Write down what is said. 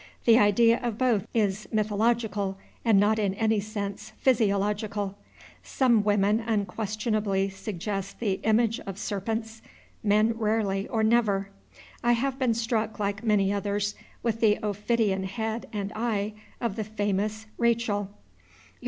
The idea of both is mythological, and not in any sense physiological. Some women unquestionably suggest the image of serpents; men rarely or never. I have been struck, like many others, with the ophidian head and eye of the famous Rachel.